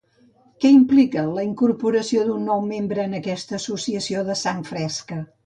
Què implica la incorporació d'un nou membre en aquesta associació de la sang fresca?